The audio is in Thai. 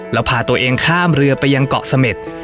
แล้วพาตัวเองข้ามเรือไปยังเกาะเสม็ด